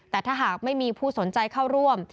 แต่ถ้าหากไม่มีผู้สนใจเข้าร่วม